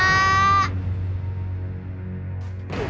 nanti kamu ketakutan sendiri